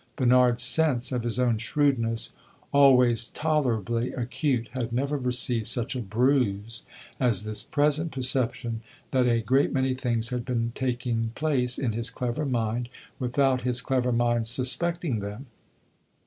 Bernard's sense of his own shrewdness always tolerably acute had never received such a bruise as this present perception that a great many things had been taking place in his clever mind without his clever mind suspecting them.